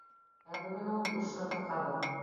Ә бөгөн ул... буш шырпы ҡабы.